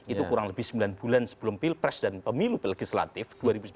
itu kurang lebih sembilan bulan sebelum pilpres dan pemilu legislatif dua ribu sembilan belas